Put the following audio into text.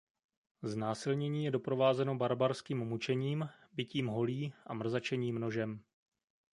Znásilnění je doprovázeno barbarským mučením, bitím holí a mrzačením nožem.